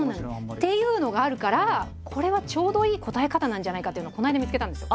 っていうのがあるからこれはちょうどいい答え方なんじゃないかっていうのをこの間見つけたんですよ。